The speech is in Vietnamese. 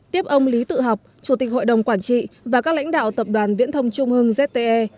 tiếp ông lý tự học chủ tịch hội đồng quản trị và các lãnh đạo tập đoàn viễn thông trung hưng zte